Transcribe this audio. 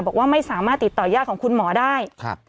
บอกว่าไม่สามารถติดต่อยาดของคุณหมอได้ครับ